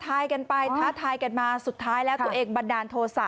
กันไปท้าทายกันมาสุดท้ายแล้วตัวเองบันดาลโทษะ